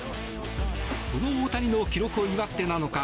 その大谷の記録を祝ってなのか